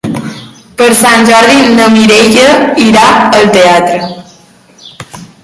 Per Sant Jordi na Mireia irà al teatre.